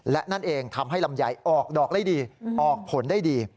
และนั่นเองทำให้ลำไยออกดอกได้ดีออกผลได้ดี